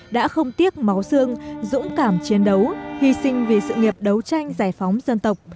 đã không tiếc máu xương dũng cảm chiến đấu hy sinh vì sự nghiệp đấu tranh giải phóng dân tộc